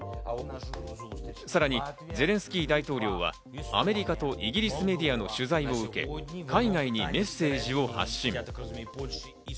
さらにゼレンスキー大統領はアメリカとイギリスメディアの取材を受け、海外にメッセージを発信。